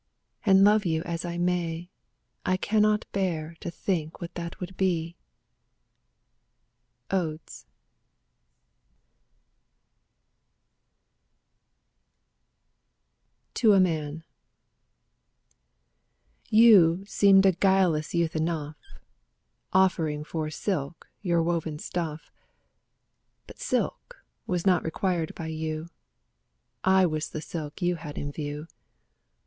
And love you as I may, I cannot bear to think what that would be. Odes^ TO A MAN You seemed a guileless youth enough, Offering for silk your woven stuff; ^ But silk was not required by you : I was the silk you had in view.